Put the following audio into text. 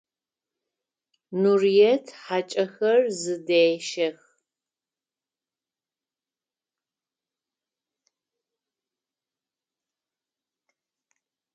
Нурыет хьакӏэхэр зыдещэх.